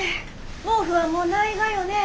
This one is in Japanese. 毛布はもうないがよね？